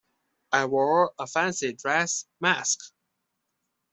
I wore a fancy dress mask.